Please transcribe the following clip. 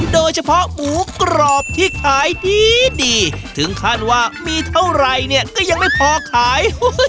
โดยเฉพาะหมูกรอบที่ขายดีถึงขั้นว่ามีเท่าไรเนี่ยก็ยังไม่พอขาย